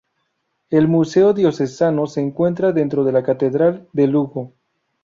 El museo Diocesano se encuentra dentro de la Catedral de Lugo.